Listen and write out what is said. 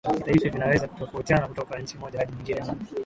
kitaifa vinaweza kutofautiana kutoka nchi moja hadi nyingine na